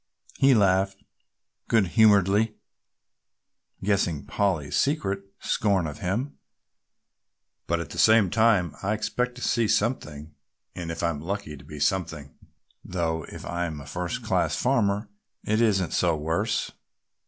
he laughed good humouredly, guessing Polly's secret scorn of him, "but at the same time I expect to see something and if I'm lucky to be something, though if I'm a first class farmer it isn't so worse.